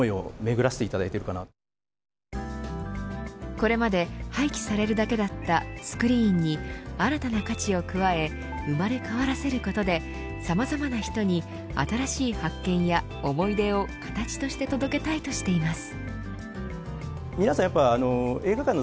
これまで廃棄されるだけだったスクリーンに新たな価値を加え生まれ変わらせることでさまざまな人に新しい発見や思い出を形として届けたいとしています。